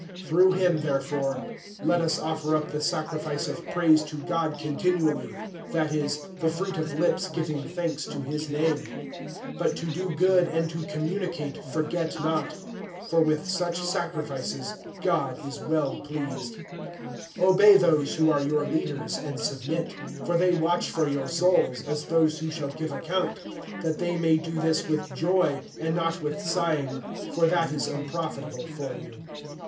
(15)Through him, therefore, let us offer up the sacrifice of praise to God continually, that is, the fruit of lips giving thanks to his name. (16)But to do good and to communicate forget not; for with such sacrifices God is well pleased. (17)Obey those who are your leaders, and submit; for they watch for your souls, as those who shall give account; that they may do this with joy, and not with sighing, for that is unprofitable for you.